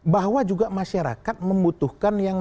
bahwa juga masyarakat membutuhkan yang